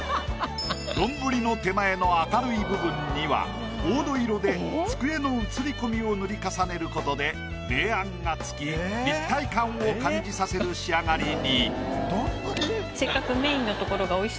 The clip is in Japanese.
丼の手前の明るい部分には黄土色で机の映り込みを塗り重ねることで明暗が付き立体感を感じさせる仕上がりに。